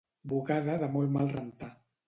Bugada de molt mal rentar.